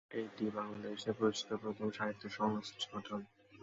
এটিই বাংলাদেশে প্রতিষ্ঠিত প্রথম সাহিত্য সংগঠন।